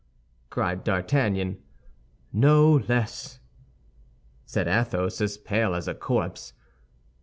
cried D'Artagnan. "No less," said Athos, as pale as a corpse.